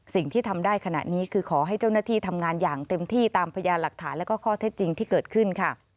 สิ่งที่ทำได้ขณะนี้คือขอให้เจ้าหน้าที่ทำงานอย่างเต็มที่ตามพยานหลักฐานและข้อเท็จจริงที่เกิดขึ้นค่ะ